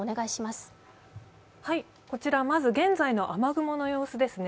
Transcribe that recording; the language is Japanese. こちら現在の雨雲の様子ですね。